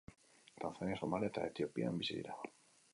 Tanzania, Somalia eta Etiopian bizi dira.